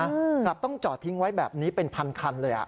กลับต้องจอดทิ้งไว้แบบนี้เป็นพันคันเลยอ่ะ